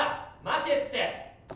待てって！